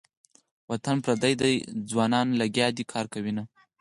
وطن پردی ده ځوانان لګیا دې کار کوینه.